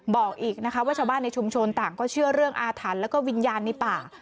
บอกอีกว่าชาวบ้านในชุมชนต่างก็เชื่อเรื่องอาทันและวิญญาณในป่า